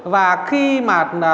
và khi mà